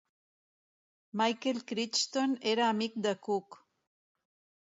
Michael Crichton era amic de Cook.